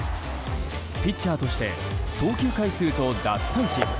ピッチャーとして投球回数と奪三振。